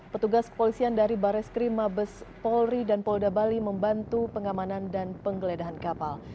petugas kepolisian dari bares krim mabes polri dan polda bali membantu pengamanan dan penggeledahan kapal